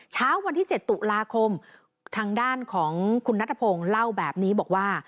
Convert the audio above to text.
เช้าวันที่๗ตุลาคมทางด้านของคุณนัทพงศ์เล่าแบบนี้บอกว่า